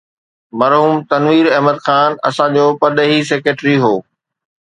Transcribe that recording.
مرحوم تنوير احمد خان اسان جو پرڏيهي سيڪريٽري هو.